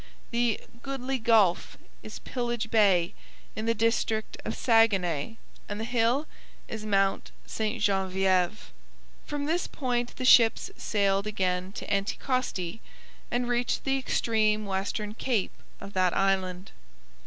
The 'goodly gulf' is Pillage Bay in the district of Saguenay, and the hill is Mount Ste Genevieve. From this point the ships sailed again to Anticosti and reached the extreme western cape of that island.